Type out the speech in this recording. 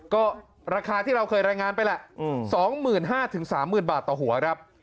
ก็ราคาที่เราเคยรายงานไปแหละ๒๕๐๐๓๐๐๐บาทต่อหัวครับ